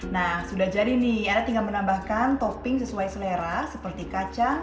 nah sudah jadi nih anda tinggal menambahkan topping sesuai selera seperti kacang